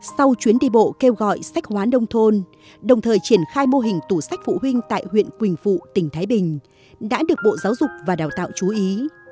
sau chuyến đi bộ kêu gọi sách hóa nông thôn đồng thời triển khai mô hình tủ sách phụ huynh tại huyện quỳnh phụ tỉnh thái bình đã được bộ giáo dục và đào tạo chú ý